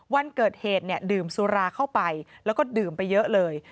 วันเกิดเหตุเนี่ยดื่มสุราเข้าไปแล้วก็ดื่มไปเยอะเลย